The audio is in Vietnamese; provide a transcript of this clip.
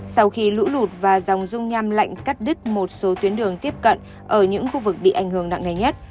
sau khi lũ lụt và dòng dung nham lạnh cắt đứt một số tuyến đường tiếp cận ở những khu vực bị ảnh hưởng nặng nề nhất